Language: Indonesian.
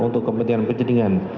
untuk kepentingan penyedingan